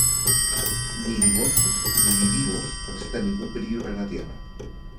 Ni Dimorphos ni Didymos representan ningún peligro para la Tierra.